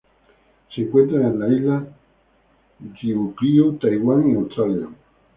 Se encuentran en las Islas Ryukyu, Taiwán y Australia.